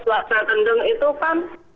waktu kendeng itu kan